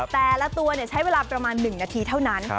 แต่ละตัวใช้เวลาประมาณ๑นาทีเท่านั้น